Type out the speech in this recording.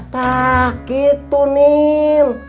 pak gitu nin